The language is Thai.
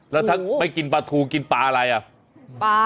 แล้วถ้าไม่กินปลาทูจะกินปลาร้ายไหม